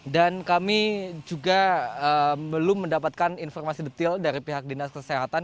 dan kami juga belum mendapatkan informasi detail dari pihak dinas kesehatan